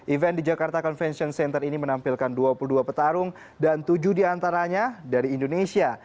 event di jakarta convention center ini menampilkan dua puluh dua petarung dan tujuh diantaranya dari indonesia